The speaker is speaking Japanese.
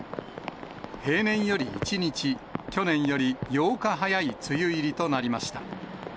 平年より１日、去年より８日早い梅雨入りとなりました。